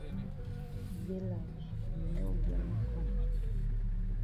E dey like you no get me kong